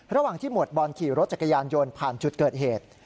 ระหว่างที่หมวดบอลขี่รถจักรยานยนต์ผ่านจุดเกิดเหตุ